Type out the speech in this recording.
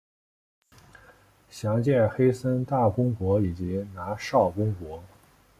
详见黑森大公国以及拿绍公国。